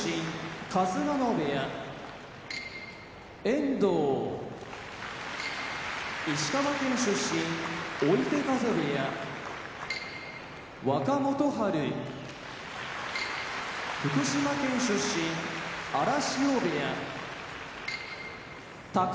遠藤石川県出身追手風部屋若元春福島県出身荒汐部屋宝